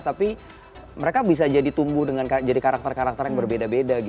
tapi mereka bisa jadi tumbuh dengan jadi karakter karakter yang berbeda beda